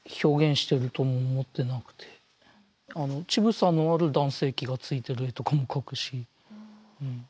乳房のある男性器がついてる絵とかも描くし。